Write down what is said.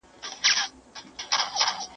¬ ته ښه سړى ئې، د ورور دي مور دا مانه کوم.